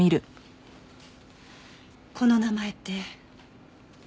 この名前って。